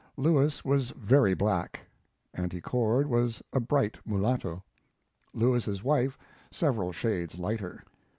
Lewis was very black, Auntie Cord was a bright mulatto, Lewis's' wife several shades lighter.